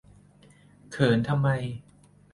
เขินทำไม